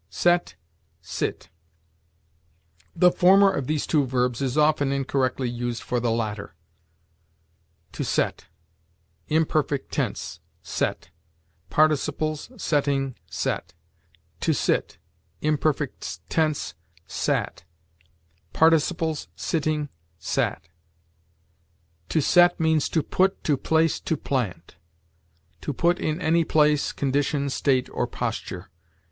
SET SIT. The former of these two verbs is often incorrectly used for the latter. To set; imperfect tense, set; participles, setting, set. To sit; imperfect tense, sat; participles, sitting, sat. To set means to put, to place, to plant; to put in any place, condition, state, or posture.